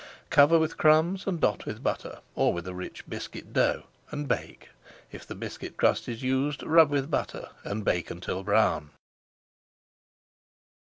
Cover with crumbs and dot with butter, or with a rich biscuit dough, and bake. If the biscuit crust is used, rub with butter, and bake until brown.